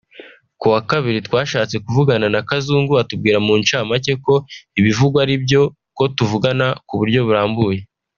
Kuwa kabiri twashatse kuvugana na Kazungu atubwira mu ncamake ko ibivugwa ari byo ko tuvugana ku buryo burambuye